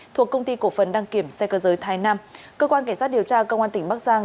thuộc công ty cổ phần đăng kiểm xe cơ giới thái nam cơ quan cảnh sát điều tra công an tỉnh bắc giang